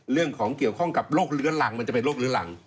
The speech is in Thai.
เรื่องของเกี่ยวข้องกับโรคเลื้อรังมันจะเป็นโรคเลื้อหลัง